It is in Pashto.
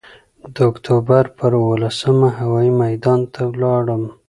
د اکتوبر پر اوولسمه هوايي میدان ته ولاړم.